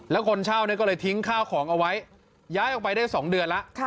แล้วคนเช่าก็เลยทิ้งข้าวของเอาไว้ย้ายออกไปได้๒เดือนแล้ว